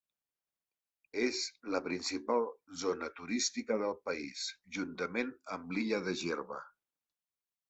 És la principal zona turística del país juntament amb l'illa de Gerba.